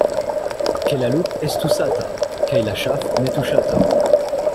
Ke la lup' estu sata, kaj la ŝaf' ne tuŝata.